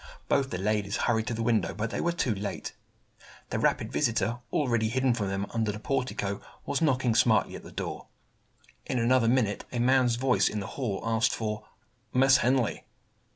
Both the ladies hurried to the window, but they were too late. The rapid visitor, already hidden from them under the portico, was knocking smartly at the door. In another minute, a man's voice in the hall asked for "Miss Henley."